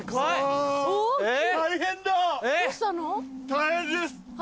大変です。